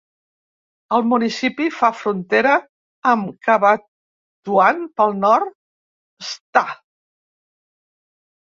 El municipi fa frontera amb Cabatuan pel nord, Sta.